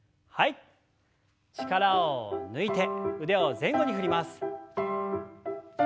力を抜いて腕を前後に振ります。